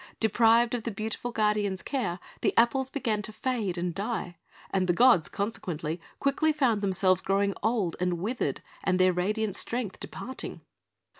Deprived of the beautiful guardian's care, the apples began to fade and die, and the gods, consequently, quickly found themselves growing old and withered, and their radiant strength departing.